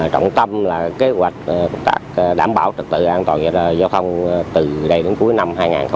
trọng tâm là kế hoạch đảm bảo trật tự an toàn giao thông từ đây đến cuối năm hai nghìn hai mươi ba